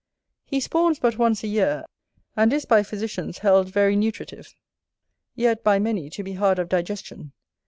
He spawns but once a year; and is, by physicians, held very nutritive; yet, by many, to be hard of digestion.